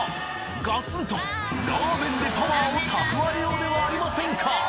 ガツン！とラーメンでパワーを蓄えようではありませんか！